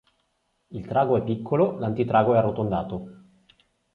Il trago è piccolo, l'antitrago è arrotondato.